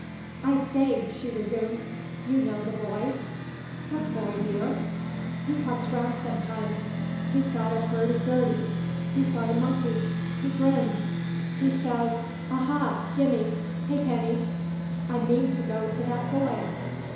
"I say!" she resumed "you know the boy?" "What boy, dear?" "He comes round sometimes. He's got a hurdy gurdy. He's got a monkey. He grins. He says, Aha gimmee haypenny. I mean to go to that boy!"